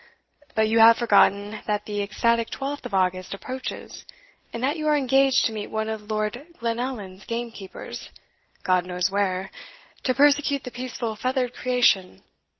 But you have forgotten that the ecstatic twelfth of August approaches, and that you are engaged to meet one of Lord Glenallan's gamekeepers, God knows where, to persecute the peaceful feathered creation."